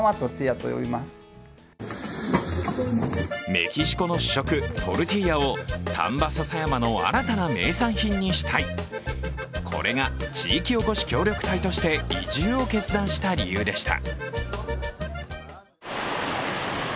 メキシコの主食・トルティーヤを丹波篠山の新たな名産品にしたい、これが、地域おこし協力隊として移住を決断した理由でした。